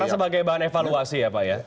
karena sebagai bahan evaluasi ya pak ya